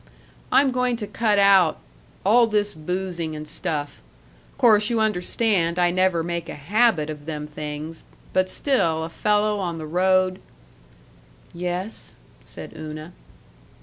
"I'm going to cut out all this boozing and stuff Course you understand I never make a habit of them things, but still a fellow on the road " "Yes," said Una.